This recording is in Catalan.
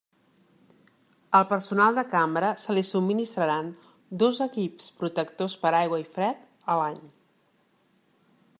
Al personal de cambra se li subministraran dos equips protectors per a aigua i fred a l'any.